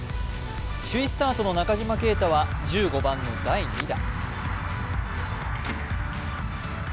首位スタートの中島啓太は１５番の第２打。